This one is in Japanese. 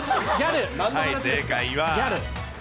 正解は。